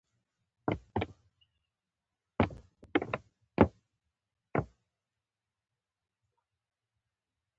احمد د علي پر مال لاس واچاوو.